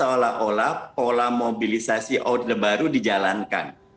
akhir seolah olah pola mobilisasi out the baru dijalankan